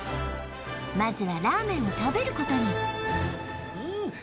まずはらーめんを食べることにうん！